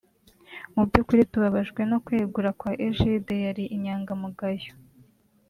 mu byukuri tubabajwe no kwegura kwa Egide yari inyangamugayo